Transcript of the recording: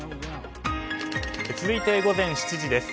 続いて午前７時です。